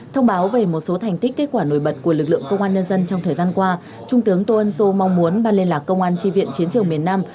thông báo về một số thành tích kết quả nổi bật của lực lượng công an nhân dân trong thời gian qua trung tướng tô ân sô mong muốn ban liên lạc công an tri viện chiến trường miền nam